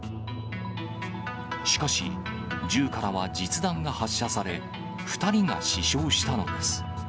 しかし、銃からは実弾が発射され、２人が死傷したのです。